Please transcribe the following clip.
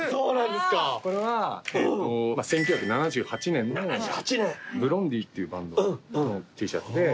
これは１９７８年のブロンディっていうバンドのＴシャツで。